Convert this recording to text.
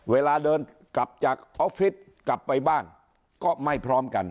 เวลาเดินกลับจากออฟฟิศกลับไปบ้านก็ไม่พร้อมกัน